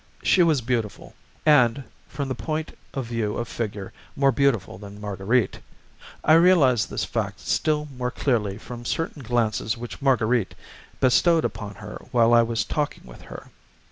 She was beautiful, and, from the point of view of figure, more beautiful than Marguerite. I realized this fact still more clearly from certain glances which Marguerite bestowed upon her while I was talking with her.